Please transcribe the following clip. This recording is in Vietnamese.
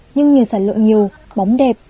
nhưng nhiệt sản lượng nhiều bóng đẹp